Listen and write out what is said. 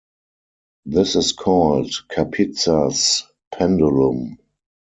This is called Kapitza's pendulum.